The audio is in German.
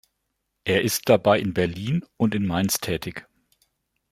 Er ist dabei in Berlin und in Mainz tätig.